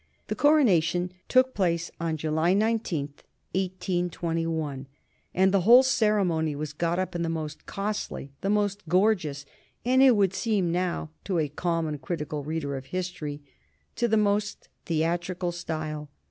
The Coronation took place on July 19, 1821, and the whole ceremony was got up in the most costly, the most gorgeous, and, as it would seem now to a calm and critical reader of history, in the most theatrical style.